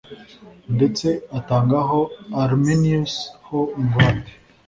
ndetse atangaho arminius ho ingwate